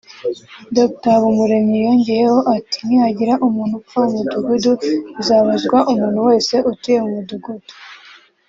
Dr Habumuremyi yongeyeho ati “Nihagira umuntu upfa mu mudugudu bizabazwa umuntu wese utuye mu mudugudu